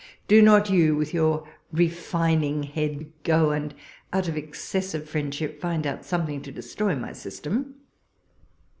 Do not you with your refining head go, and, out of excessive friendship, find out something to destroy my system.